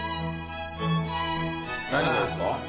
・何がいいですか？